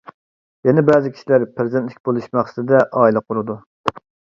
يەنە بەزى كىشىلەر پەرزەنتلىك بولۇش مەقسىتىدە ئائىلە قۇرىدۇ.